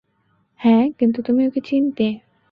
হ্যাঁ, কিন্তু তুমি ওকে চিনতে।